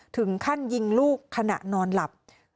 ถึงขั้นยิงลูกขณะนอนหลับ